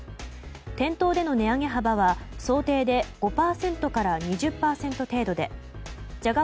店頭での値上げ幅は想定で５％から２０％程度でじゃが